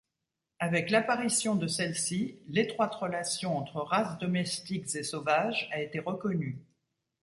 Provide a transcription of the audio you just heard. Avec l'apparition de celle-ci, l'étroite relation entre races domestiques et sauvages a été reconnue.